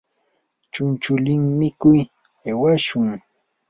chunchulin mikuq aywashun.